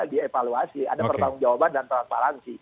dievaluasi ada pertanggung jawaban dan transparansi